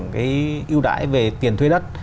cái ưu đãi về tiền thuê đất